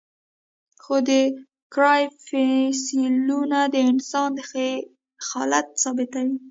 خو د کارایب فسیلونه د انسان دخالت ثابتوي.